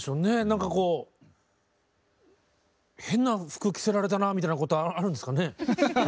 なんかこう変な服着せられたなみたいなことあるんですかね。